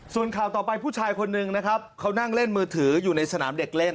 ส่วนข่าวต่อไปผู้ชายคนนึงนะครับเขานั่งเล่นมือถืออยู่ในสนามเด็กเล่น